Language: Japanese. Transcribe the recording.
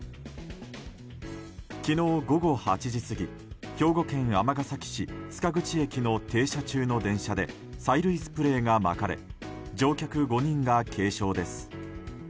昨日午後８時過ぎ兵庫県尼崎市塚口駅の停車中の電車で催涙スプレーがまかれ乗客５人が軽傷です。